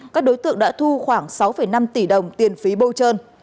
các đối tượng đã thu khoảng sáu năm tỷ đồng tiền phí bôi trơn